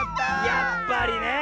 やっぱりねえ。